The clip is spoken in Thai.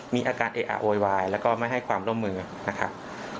มีอาการเออะโวยวายแล้วก็ไม่ให้ความร่วมมือนะครับ